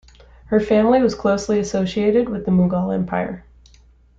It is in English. Her family was closely associated with the Mughal empire.